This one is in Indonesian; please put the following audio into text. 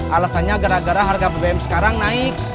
alasannya gara gara harga bbm sekarang naik